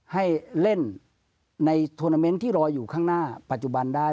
ให้เล่นในทวนาเมนต์ที่รออยู่ข้างหน้าปัจจุบันได้